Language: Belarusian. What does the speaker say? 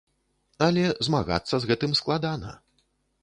Але змагацца з гэтым складана.